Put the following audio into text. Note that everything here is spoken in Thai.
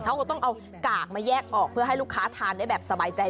เขาก็ต้องเอากากมาแยกออกเพื่อให้ลูกค้าทานได้แบบสบายใจ